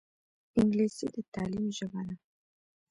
انګلیسي د تعلیم ژبه ده